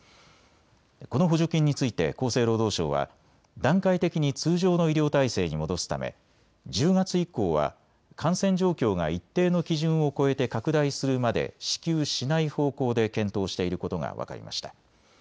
この補助金について厚生労働省は段階的に通常の医療体制に戻すため１０月以降は感染状況が一定の基準を超えて拡大するまで支給しない方向で検討していることが分かりました。